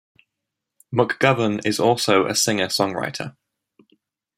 McGovern is also a singer-songwriter.